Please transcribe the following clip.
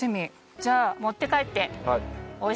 じゃあ持って帰って。